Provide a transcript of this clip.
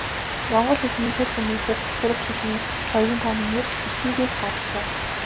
Монгол хэлний ихэр хэмээх үг түрэг хэлний хоёрын тооны нэр 'ики'-ээс гаралтай.